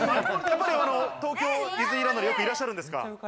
やっぱり東京ディズニーランド、よくいらっしゃるんですか？